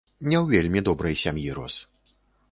Не ў вельмі добрай сям'і рос.